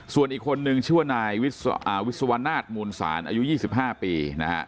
ส่วนอีกคนนึงชื่อว่านายวิศวนาศมูลศาลอายุ๒๕ปี